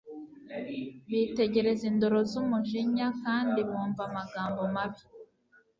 Bitegereza indoro z'umujinya kandi bumva amagambo mabi